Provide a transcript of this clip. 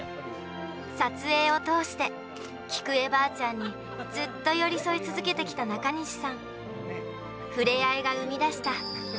撮影を通して、菊恵ばあちゃんに、ずっと寄り添い続けてきた中西さん。